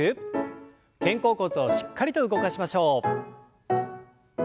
肩甲骨をしっかりと動かしましょう。